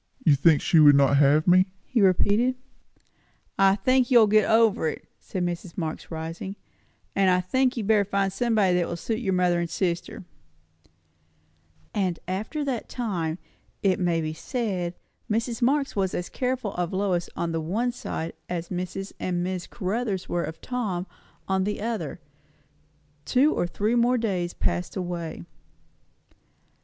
"You think she would not have me?" he repeated. "I think you will get over it," said Mrs. Marx, rising. "And I think you had better find somebody that will suit your mother and sister." And after that time, it may be said, Mrs. Marx was as careful of Lois on the one side as Mrs. and Miss Caruthers were of Tom on the other. Two or three more days passed away.